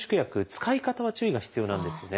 使い方は注意が必要なんですよね。